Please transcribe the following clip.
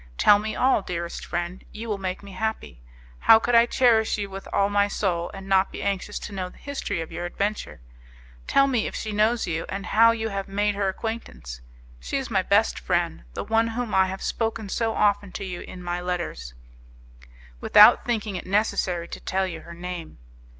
Tell me all, dearest friend, you will make me happy. How could I cherish you with all my soul, and not be anxious to know the history of your adventure? Tell me if she knows you, and how you have made her acquaintance. She is my best friend, the one of whom I have spoken so often to you in my letters, without thinking it necessary to tell you her name.